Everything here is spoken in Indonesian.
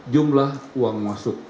jumlah uang masuk